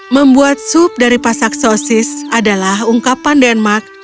membuat sup dari pasak sosis adalah ungkapan denmark